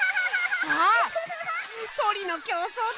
あっそりのきょうそうだ！